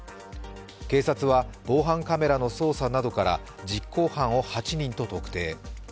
警察は防犯カメラの捜査などから実行犯を８人と特定。